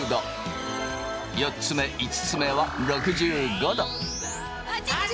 ４つ目５つ目は６５℃。